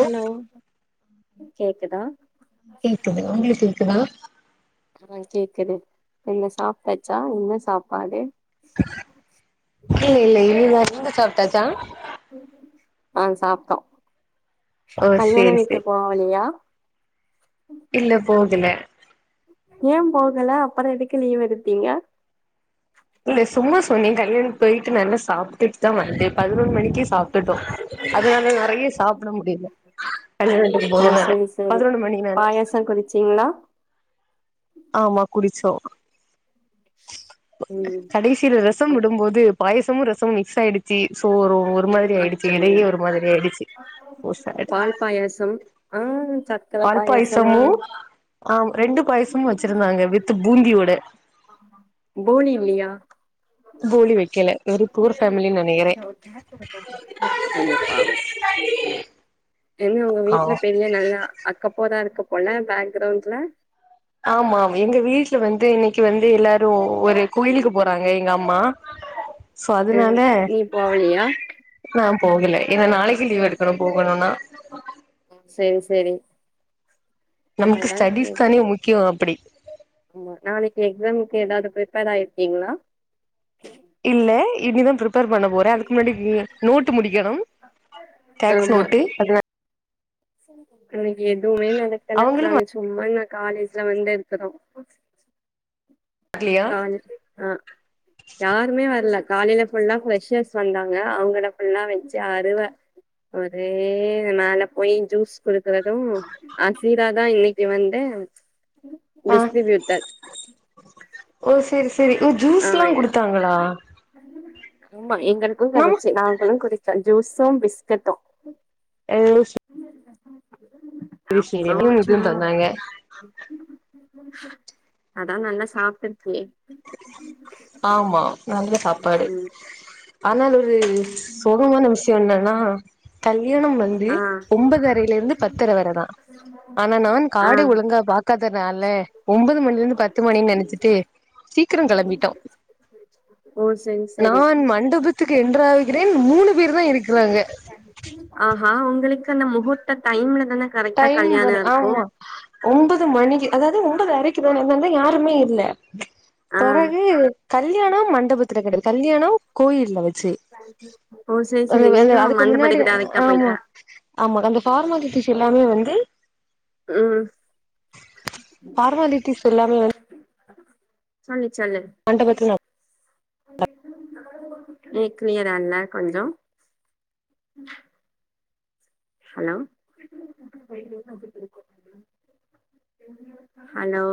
hello கேக்குதா கேக்குது உங்ளு கேக்குதா ஆ கேக்குது என்ன சாப்ட்டாச்சா என்ன சாப்பாடே இல்ல இல்ல இல்லுர் வந்து சாப்ட்டாச்சா ஆ சாப்ட்டோ ஓ கல்யாண சேரி சே வீட்டு போவலையா இல்ல போகெல ஏன் போகல அப்பற எதுக்கு லீவ் எடுத்தீங்க இல்ல சும்மா சொன்னே கல்யாண்க் போய்ட்டு நல்லா சாப்ட்டு த்தா வந்து பதினொண் மணிக்கே சாப்ட்டுட்டோ அதுனால நறையா சாப்ட முடிய்ல பன்னிரெண்டுக்கு போர ஓ வேல பதினொன்னு மணி நால ச்சிங்ளா ஆமா குடிச்சோ ம் கடைசில ரசம் விடும்போது பாயசமு ரசமு மிக்ஸ் ஆய்டி ச்சி சோறு ஒரு மாரி ஆய்டுச்சி அச்சோ எலையே ஒரு மாதிரி ஆய்டுச்சி ஓ சாட் பயாசம் ஆ ச்சாட் பால் பாய்சமு ஆம் ரெண்டு பாய்சமு வச்சிருந்தாங்க வித்து பூந்தியோடெ போலி இல்லியா போலி வெக்கலே ஒரு பூர் ஃபேமிலி நெனைகிறே ஒ டா குடுக்கும் [inaudible] ஐயோ பாவம் கெல்வி உங்க ஆ வீட்ல பெரிய நல்லா அக்கப்போரா இருக்க போல பேக்கரவுண்ட்ல ஆமாம் எங்க வீட்ல வந்து இன்னைக்கு வந்து எல்லாரு ஒரு குயிலுக்கு போறாங்க எங்க அம்மா சோ ம் அதனால நீ போவலியா நா போகல ஏனா நாளைக்கு லீவ் எடுக்கணு போகணும்னா சரி சரி நமக்கு ஸ்டடிஸ் தானே முக்கிய அப்டி ம்ம் நாளைக்கு எக்ஸாம்கக்கு ஏதாவது ப்ரிப்பேர் ஆயிருக்கீங்களா இல்ல இனிதா ப்ரிப்பர் பண்ண போ அதுக்கு முன்னாடி நோட்டு முடிக்கணு டக்ஸ் நோட்டு அத எனக்கு எதுவுமே நடக்கல அவங்களு நாங்க சும்மா நா காலேஜ்ல வந்து இருக்குறோ வரலையா காலக்கே ஹா யாருமே வரல காலையில ஃபுல்லா ஃப்ரெஷர்ஸ் வந்தாங்க அவங்கள ஃபுல்லா வச்சி அருவ ஒரே மேல போய் ஜூஸ் குடுக்குறதும் அசிராதா இன்னிக்கு வந்த ஆ டிஸ்டிரிபியூடர் ஓ செரி சரி ஓ ஜூஸ் ஆ எல்லா குடுத்தாங்களா ஆமா எங்களுக்கும் நம்ம கடச்சி நாங்களும் குடிச்சோ ஜூஸும் பிஸ்கட்டும் ஏ லுசு [unintelligible] அப்றோ இதுவும் சும் இதுவும் தந்தாங்க அதா நல்லா சாப்டிருக்கியே ஆமா நல்ல சாப்பாடு ம் ஆனா ஒரு சோகமான விஷயோ என்னன்னா கல்யாண வந்து ஆ ஒன்பதரையிலிருந்து பத்தர வரதா ஆனா நான் காட ஆ ஒழுங்கா பாக்காதனால ஒன்பது மணில இருந்து பத்து மணின்னு நனச்சிட்டு திரு கிளம்பிட்டோ சரி [inaudible] ஒ சரி நான் மண்டபத்துக்கு எண்டர்ராகிறேன் மூணு பேர் தா இருக்குறாங்க ஆஹா உங்களுக்கு அந்த முகூர்த்த டைம்ல தான கரெக்டா டைம் கல்யாணோ வரு இருக்கு ஆமா ஒன்பது மணிக்கு அதாவது ஒன்பது அரைக்குதான அதுனாலதா யாருமே இல்ல ஆ பிறகு கல்யாண மண்டபத்துல கடயாது கல்யானோ கோயில்ல வச்சு ஓ செரி அந்த செரி அந்த நீங்க அதுக்கு முன்னாடி மண்டபத்துக்கு டேரக்டா ஆமா போயிட்டா ஆமா அந்த ஃபார்மாலிட்டிஸ் எல்லாமே வந்து ம் ஃபார்மாலிட்டடிஸ் எல்லாமே வந்து சொல்லு சொல்லு மண்டபத்துல நீ கிளியரா இல்ல கொஞ்சோ ஹலோ ஹலோ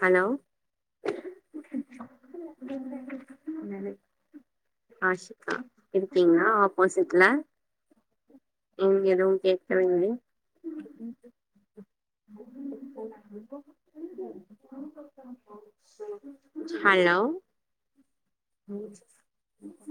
ஹலோ என்னது ஆஷிகா இருக்கீங்களா ஆபோசிட்ல இங்க எதவு கேட்கலங்கலே ஹலோ ம்